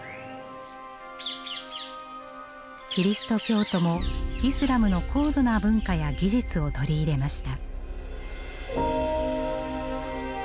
キリスト教徒もイスラムの高度な文化や技術を取り入れました。